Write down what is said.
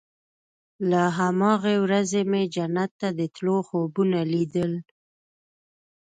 له هماغې ورځې مې جنت ته د تلو خوبونه ليدل.